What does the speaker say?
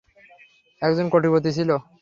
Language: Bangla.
একজন কোটিপতি ছিল।